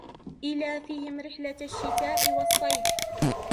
إِيلَافِهِمْ رِحْلَةَ الشِّتَاءِ وَالصَّيْفِ